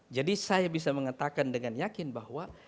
jadi saya bisa mengatakan dengan yakin bahwa